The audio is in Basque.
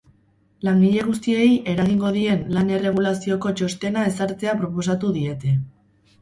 Langile guztiei eragingo dien lan erregulazioko txostena ezartzea proposatu diete.